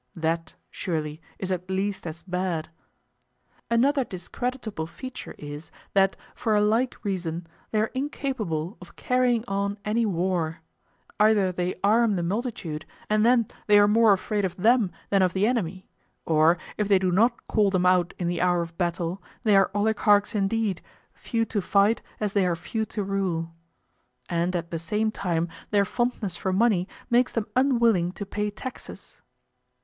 That, surely, is at least as bad. Another discreditable feature is, that, for a like reason, they are incapable of carrying on any war. Either they arm the multitude, and then they are more afraid of them than of the enemy; or, if they do not call them out in the hour of battle, they are oligarchs indeed, few to fight as they are few to rule. And at the same time their fondness for money makes them unwilling to pay taxes.